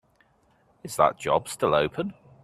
Is that job still open?